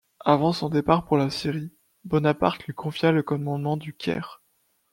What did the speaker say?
Avant son départ pour la Syrie, Bonaparte lui confia le commandement du Caire.